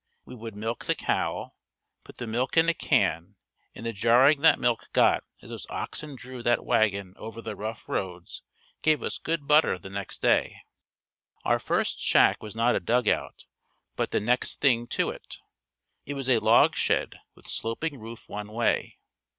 We would milk the cow, put the milk in a can and the jarring that milk got as those oxen drew that wagon over the rough roads gave us good butter the next day. Our first shack was not a dugout, but the next thing to it. It was a log shed with sloping roof one way.